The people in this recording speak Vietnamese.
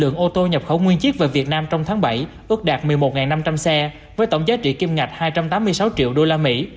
nguyên chiếc về việt nam trong tháng bảy ước đạt một mươi một năm trăm linh xe với tổng giá trị kim ngạch hai trăm tám mươi sáu triệu đô la mỹ